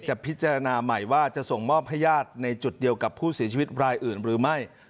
พิจารณาใหม่ว่าจะส่งมอบให้ญาติในจุดเดียวกับผู้เสียชีวิตรายอื่นหรือไม่